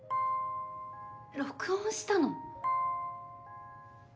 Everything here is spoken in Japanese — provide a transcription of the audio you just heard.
録音したの？